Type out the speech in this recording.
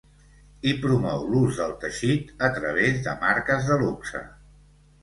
I promou l'ús del teixit a través de marques de luxe.